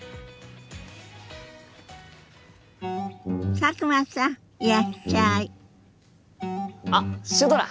佐久間さんいらっしゃい！あっシュドラ。